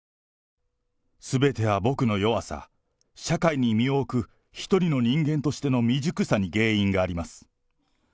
すべては僕の弱さ、社会に身を置く一人の人間としての未熟さに原因があります。